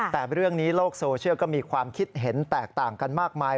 แต่เรื่องนี้โลกโซเชียลก็มีความคิดเห็นแตกต่างกันมากมาย